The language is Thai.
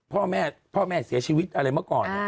พ่อแม่พ่อแม่เสียชีวิตอะไรเมื่อก่อน